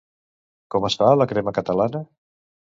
Com es fa la crema catalana?